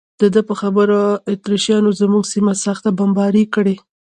د ده په خبره اتریشیانو زموږ سیمه سخته بمباري کړې.